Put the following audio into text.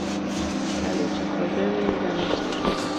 La lucha fue breve y ganó Cyr.